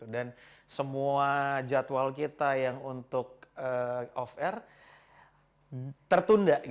dan semua jadwal kita yang untuk off air tertunda